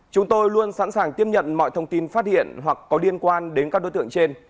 chúng tôi luôn sẵn sàng tiếp nhận mọi thông tin phát hiện hoặc có liên quan đến các đối tượng trên